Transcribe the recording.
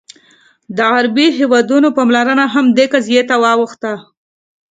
د عربي هېوادونو پاملرنه هم دې قضیې ته واوښته.